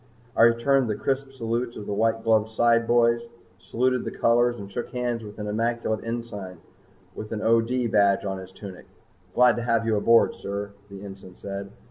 I returned the crisp salutes of the white gloved sideboys, saluted the colors, and shook hands with an immaculate ensign with an O.D. badge on his tunic. "Glad to have you aboard, sir," the ensign said.